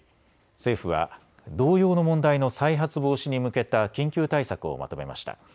政府は同様の問題の再発防止に向けた緊急対策をまとめました。